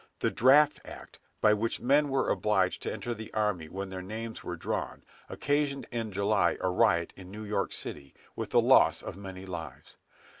The "Draft Act," by which men were obliged to enter the army when their names were drawn, occasioned in July a riot in New York city, with the loss of many lives.